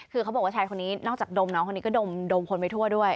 คือเขาบอกว่าชายคนนี้นอกจากดมน้องคนนี้ก็ดมคนไปทั่วด้วย